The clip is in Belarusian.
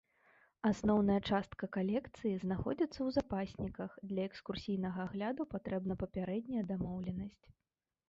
Асноўная частка калекцыі знаходзіцца ў запасніках, для экскурсійнага агляду патрэбна папярэдняя дамоўленасць.